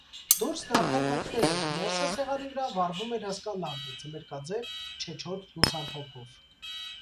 Դուրսն արդեն մթնել էր, ներսը, սեղանի վրա, վառվում էր հսկա լամպը ձմերկաձև չեչոտ լուսամփոփով: